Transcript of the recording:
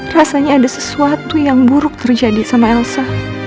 rasanya ada sesuatu yang buruk terjadi sama elsa